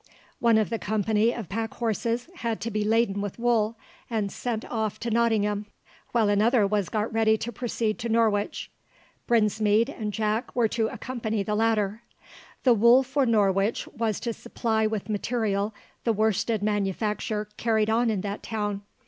One of the company of pack horses had to be laden with wool and sent off to Nottingham, while another was got ready to proceed to Norwich. Brinsmead and Jack were to accompany the latter. The wool for Norwich was to supply with material the worsted manufacture carried on in that town.